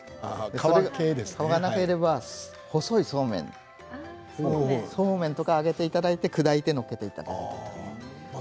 それがなければ細いそうめんとか揚げていただいて砕いて載せていただく。